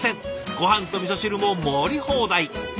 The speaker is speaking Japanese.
ごはんとみそ汁も盛り放題。